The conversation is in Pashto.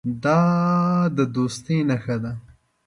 دا د دوستۍ نښه ده.